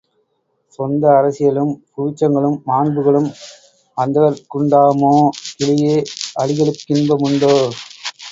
சொந்த அரசியலும் புவிச்சுகங்களும் மாண்புகளும் அந்தகர்க்குண்டாமோ கிளியே, அலிகளுக்கின்ப முண்டோ!